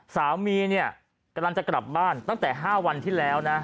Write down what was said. สามีเนี่ยกำลังจะกลับบ้านตั้งแต่๕วันที่แล้วนะ